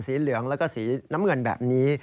เหลืองแล้วก็สีน้ำเงินแบบนี้